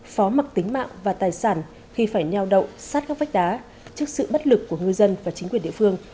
phó mặc tính mạng và tài sản khi phải nhao đậu sát các vách đá trước sự bất lực của người dân và chính quyền địa phương